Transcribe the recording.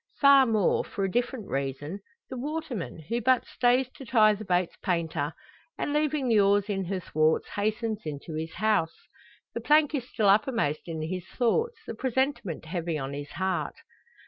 Far more for a different reason the waterman; who but stays to tie the boat's painter; and, leaving the oars in her thwarts, hastens into his house. The plank is still uppermost in his thoughts, the presentiment heavy on his heart.